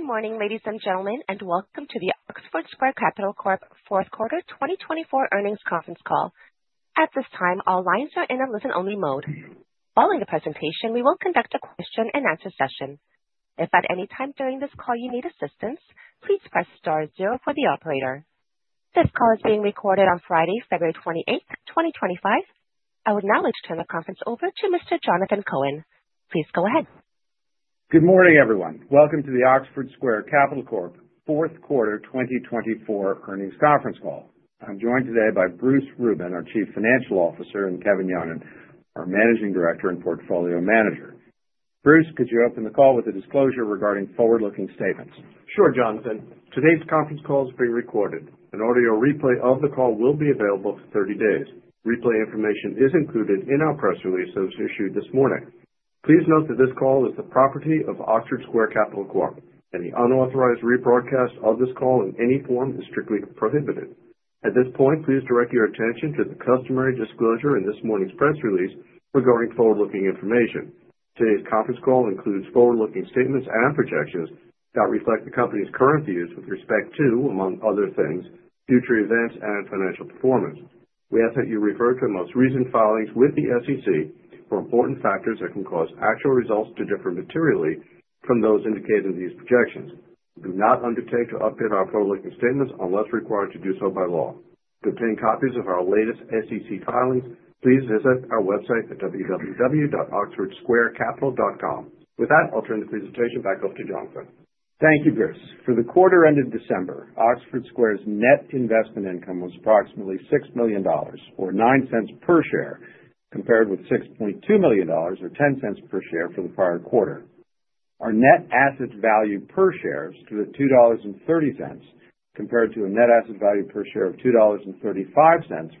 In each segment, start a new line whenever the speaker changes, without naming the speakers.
Good morning, ladies and gentlemen, and welcome to the Oxford Square Capital Corp Fourth Quarter 2024 Earnings Conference Call. At this time, all lines are in a listen-only mode. Following the presentation, we will conduct a question-and-answer session. If at any time during this call you need assistance, please press star zero for the operator. This call is being recorded on Friday, February 28th, 2025. I would now like to turn the conference over to Mr. Jonathan Cohen. Please go ahead.
Good morning, everyone. Welcome to the Oxford Square Capital Corp Fourth Quarter 2024 Earnings Conference Call. I'm joined today by Bruce Rubin, our Chief Financial Officer, and Kevin Yonon, our Managing Director and Portfolio Manager. Bruce, could you open the call with a disclosure regarding forward-looking statements?
Sure, Jonathan. Today's conference call is being recorded. An audio replay of the call will be available for 30 days. Replay information is included in our press release that was issued this morning. Please note that this call is the property of Oxford Square Capital Corp., and the unauthorized rebroadcast of this call in any form is strictly prohibited. At this point, please direct your attention to the customary disclosure in this morning's press release regarding forward-looking information. Today's conference call includes forward-looking statements and projections that reflect the company's current views with respect to, among other things, future events and financial performance. We ask that you refer to the most recent filings with the SEC for important factors that can cause actual results to differ materially from those indicated in these projections. Do not undertake to update our forward-looking statements unless required to do so by law. To obtain copies of our latest SEC filings, please visit our website at www.oxfordsquarecapital.com. With that, I'll turn the presentation back up to Jonathan.
Thank you, Bruce. For the quarter-end of December, Oxford Square's net investment income was approximately $6 million or $0.09 per share, compared with $6.2 million or $0.10 per share for the prior quarter. Our net asset value per share is $2.30, compared to a net asset value per share of $2.35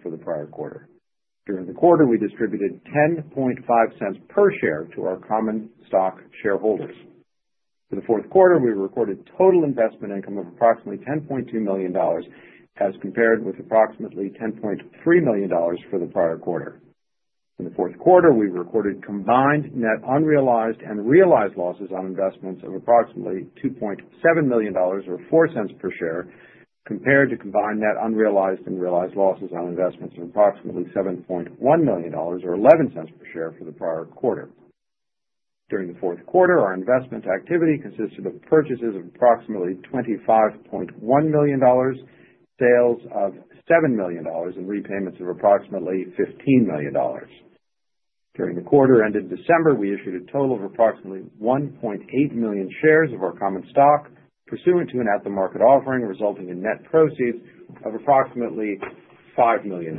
for the prior quarter. During the quarter, we distributed $0.105 per share to our common stock shareholders. For the Fourth Quarter, we recorded total investment income of approximately $10.2 million, as compared with approximately $10.3 million for the prior quarter. In the Fourth Quarter, we recorded combined net unrealized and realized losses on investments of approximately $2.7 million or $0.04 per share, compared to combined net unrealized and realized losses on investments of approximately $7.1 million or $0.11 per share for the prior quarter. During the Fourth Quarter, our investment activity consisted of purchases of approximately $25.1 million, sales of $7 million, and repayments of approximately $15 million. During the quarter ended December, we issued a total of approximately 1.8 million shares of our common stock, pursuant to an at-the-market offering resulting in net proceeds of approximately $5 million.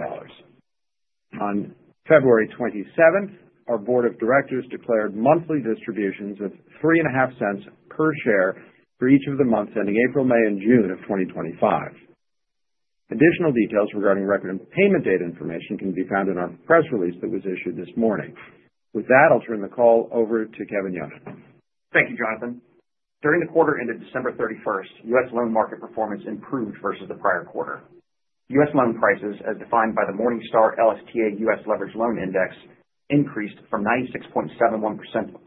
On February 27th, our Board of Directors declared monthly distributions of $0.035 per share for each of the months ending April, May, and June of 2025. Additional details regarding record and payment date information can be found in our press release that was issued this morning. With that, I'll turn the call over to Kevin Yonon.
Thank you, Jonathan. During the quarter-ended December 31st, U.S. loan market performance improved versus the prior quarter. U.S. loan prices, as defined by the Morningstar LSTA U.S. Leveraged Loan Index, increased from 96.71%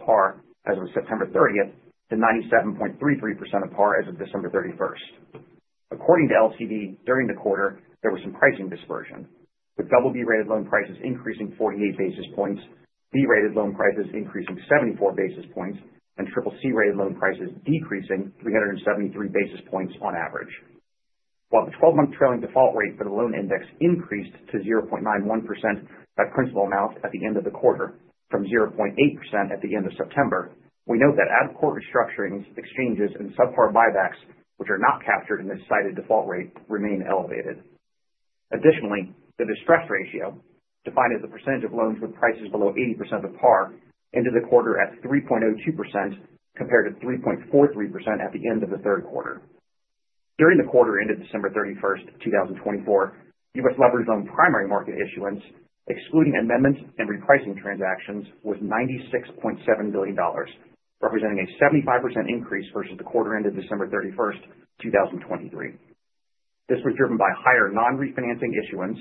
par as of September 30th to 97.33% par as of December 31st. According to LCD, during the quarter, there was some pricing dispersion, with BB-rated loan prices increasing 48 basis points, B-rated loan prices increasing 74 basis points, and CCC-rated loan prices decreasing 373 basis points on average. While the 12-month trailing default rate for the loan index increased to 0.91% at principal amount at the end of the quarter, from 0.8% at the end of September, we note that out-of-court restructurings, exchanges, and subpar buybacks, which are not captured in this cited default rate, remain elevated. Additionally, the distressed ratio, defined as the percentage of loans with prices below 80% of par, ended the quarter at 3.02% compared to 3.43% at the end of the Third Quarter. During the quarter-ended December 31, 2024, U.S. Leveraged Loan primary market issuance, excluding amendments and repricing transactions, was $96.7 billion, representing a 75% increase versus the quarter-ended December 31, 2023. This was driven by higher non-refinancing issuance,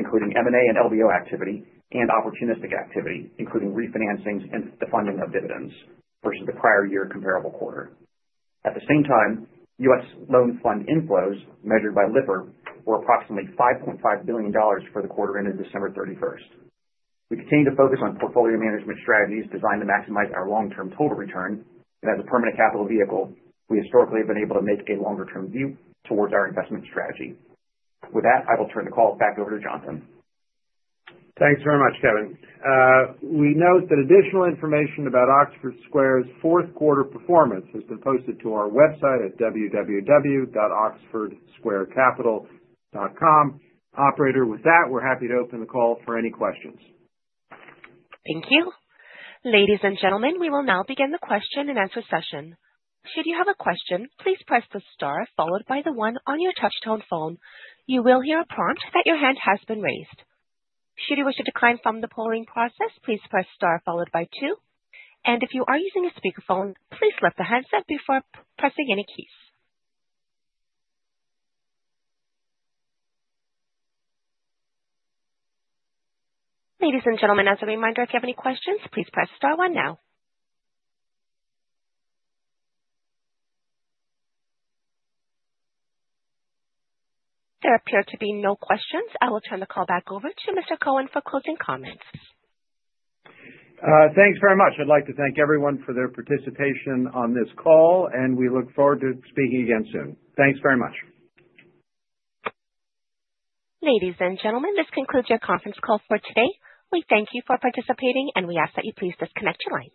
including M&A and LBO activity, and opportunistic activity, including refinancings and the funding of dividends, versus the prior year comparable quarter. At the same time, U.S. loan fund inflows, measured by Lipper, were approximately $5.5 billion for the quarter-ended December 31. We continue to focus on portfolio management strategies designed to maximize our long-term total return, and as a permanent capital vehicle, we historically have been able to make a longer-term view towards our investment strategy. With that, I will turn the call back over to Jonathan.
Thanks very much, Kevin. We note that additional information about Oxford Square's Fourth Quarter performance has been posted to our website at www.oxfordsquarecapital.com. Operator, with that, we're happy to open the call for any questions.
Thank you. Ladies and gentlemen, we will now begin the question-and-answer session. Should you have a question, please press the star followed by the one on your touch-tone phone. You will hear a prompt that your hand has been raised. Should you wish to decline from the polling process, please press star followed by two. If you are using a speakerphone, please lift the hands up before pressing any keys. Ladies and gentlemen, as a reminder, if you have any questions, please press star one now. There appear to be no questions. I will turn the call back over to Mr. Cohen for closing comments.
Thanks very much. I'd like to thank everyone for their participation on this call, and we look forward to speaking again soon. Thanks very much.
Ladies and gentlemen, this concludes your conference call for today. We thank you for participating, and we ask that you please disconnect your lines.